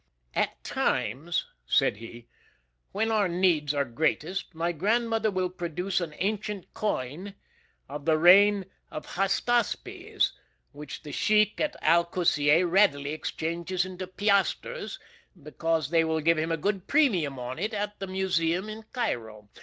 "At times," said he, "when our needs are greatest, my grandmother will produce an ancient coin of the reign of Hystaspes, which the sheik at Al Kusiyeh readily changes into piasters, because they will give him a good premium on it at the museum in Cairo.